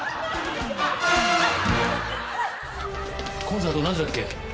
コンサート何時だっけ？